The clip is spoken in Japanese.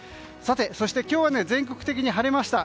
そして今日は全国的に晴れました。